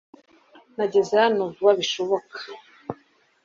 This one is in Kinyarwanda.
Nageze hano vuba bishoboka